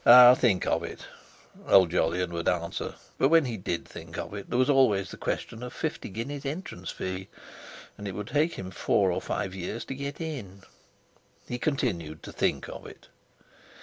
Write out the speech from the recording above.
"I'll think of it," old Jolyon would answer; but when he did think of it there was always the question of fifty guineas entrance fee, and it would take him four or five years to get in. He continued to think of it.